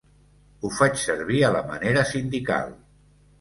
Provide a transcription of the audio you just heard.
Ho faig servir a la manera sindical.